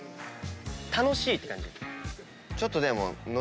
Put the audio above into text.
楽しいって感じ。